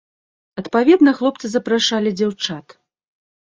Адпаведна хлопцы запрашалі дзяўчат.